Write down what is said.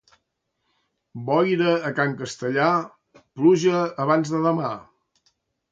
Boira a can Castellà, pluja abans de demà.